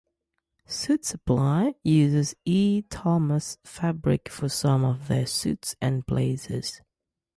Suit Supply uses E. Thomas fabric for some of their suits and blazers.